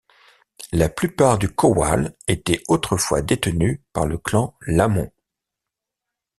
La plupart du Cowal était autrefois détenue par le Clan Lamont.